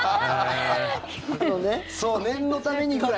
そう念のためにぐらいの。